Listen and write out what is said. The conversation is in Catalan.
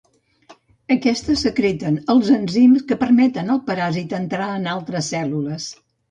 Aquestes secreten els enzims que permeten al paràsit entrar en altres cèl·lules.